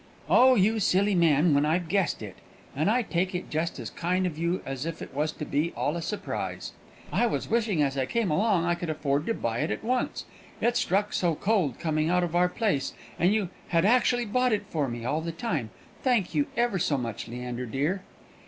"Oh, you silly man, when I've guessed it! And I take it just as kind of you as if it was to be all a surprise. I was wishing as I came along I could afford to buy it at once, it struck so cold coming out of our place; and you had actually bought it for me all the time! Thank you ever so much, Leander dear!"